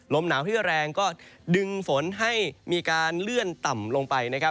หนาวที่แรงก็ดึงฝนให้มีการเลื่อนต่ำลงไปนะครับ